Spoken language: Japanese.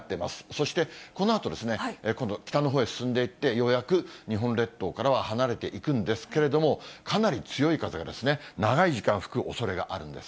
そしてこのあと、今度、北のほうへ進んでいって、ようやく日本列島からは離れていくんですけれども、かなり強い風が長い時間吹くおそれがあるんです。